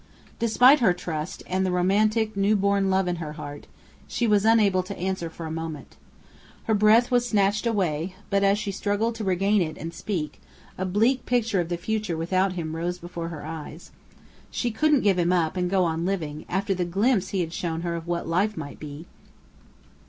Despite her trust, and the romantic, new born love in her heart, she was unable to answer for a moment. Her breath was snatched away; but as she struggled to regain it and to speak, a bleak picture of the future without him rose before her eyes. She couldn't give him up, and go on living, after the glimpse he had shown her of what life might be!